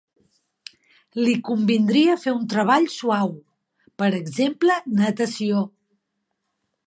Li convindria fer un treball suau, per exemple natació.